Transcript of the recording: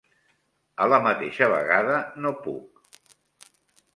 A la mateixa vegada no puc.